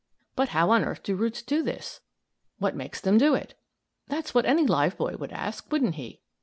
"But how on earth do the roots do this? What makes them do it?" That's what any live boy would ask, wouldn't he?